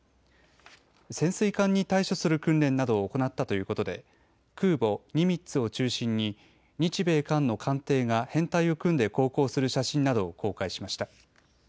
潜水艦に対処する訓練などを行ったということで空母ニミッツを中心に日米韓の艦艇が編隊を組んで航行する写真などを公開しました。